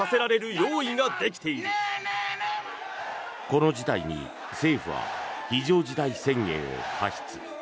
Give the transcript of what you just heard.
この事態に政府は非常事態宣言を発出。